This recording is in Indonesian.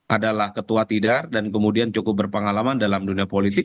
adalah ketua tidak dan kemudian cukup berpengalaman dalam dunia politik